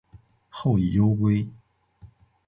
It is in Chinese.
后以忧归。